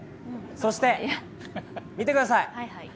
そして、見てください！